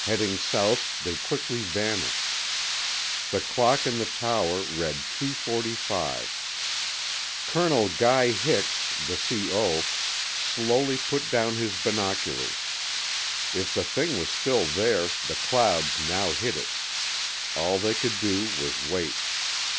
Heading south, they quickly vanished. The clock in the tower read 2:45. Colonel Guy Hix, the C.O., slowly put down his binoculars. If the thing was still there, the clouds now hid it. All they could do was wait.